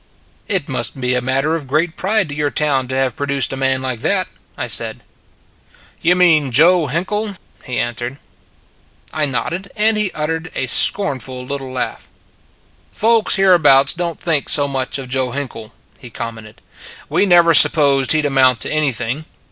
" It must be a matter of great pride to your town to have produced a man like that," I said. " You mean Joe Hinkle? " he answered. I nodded, and he uttered a scornful lit tle laugh. " Folks hereabouts don t think so much of Joe Hinkle," he commented. " We never supposed he d amount to anything.